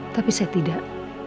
tapi saya tidak